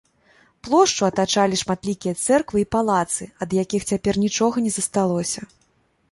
Плошчу атачалі шматлікія цэрквы і палацы, ад якіх цяпер нічога не засталося.